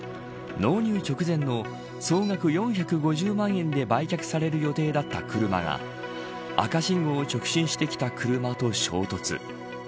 納入直前の、総額４５０万円で売却される予定だった車が赤信号を直進してきた車と衝突。